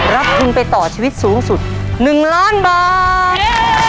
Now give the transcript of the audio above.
รับทุนไปต่อชีวิตสูงสุด๑ล้านบาท